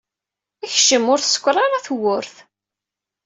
Kcem. Ur tsekkeṛ ara tewwurt.